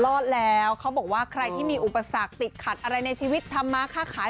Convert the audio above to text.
รอดแล้วเขาบอกว่าใครที่มีอุปสรรคติดขัดอะไรในชีวิตทำมาค่าขาย